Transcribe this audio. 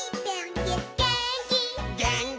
「げーんき」